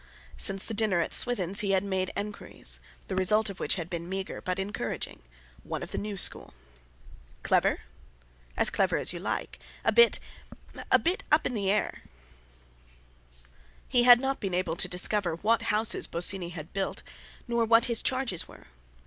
Since the dinner at Swithin's he had made enquiries, the result of which had been meagre, but encouraging: "One of the new school." "Clever?" "As clever as you like—a bit—a bit up in the air!" He had not been able to discover what houses Bosinney had built, nor what his charges were.